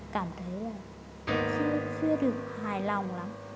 cảm thấy là chưa được hài lòng lắm